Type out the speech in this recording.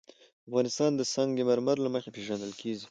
افغانستان د سنگ مرمر له مخې پېژندل کېږي.